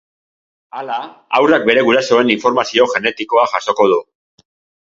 Hala, haurrak bere gurasoen informazio genetikoa jasoko du.